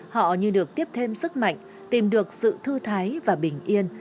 họ như được tiếp thêm sức mạnh tìm được sự thư thái và bình yên